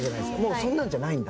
そんなんじゃない。